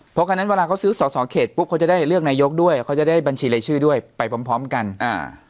เพราะการนั้นเวลาเขาซื้อสอสอเขตปุ๊บเขาจะได้เลือกนายกด้วยเขาจะได้บัญชีรายชื่อด้วยไปพร้อมพร้อมกันอ่า